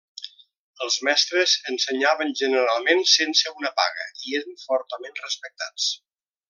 Els mestres ensenyaven generalment sense una paga i eren fortament respectats.